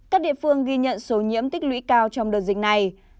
các địa phương ghi nhận số nhiễm tích lũy cao trong đợt dịch này